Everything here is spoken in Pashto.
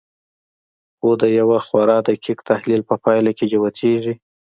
خو د یوه خورا دقیق تحلیل په پایله کې جوتېږي